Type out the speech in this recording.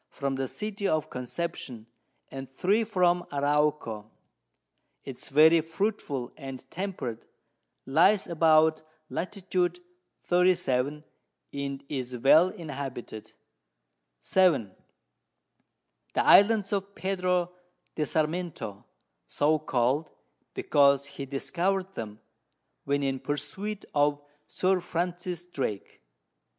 from the City of Conception, and 3 from Arauco: It is very fruitful and temperate, lies about Lat. 37, and is well inhabited. 7. The Islands of Pedro de Sarmiento, so call'd, because he discover'd them, when in Pursuit of Sir Francis Drake.